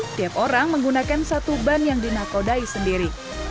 setiap orang menggunakan satu ban yang dinakodai sendiri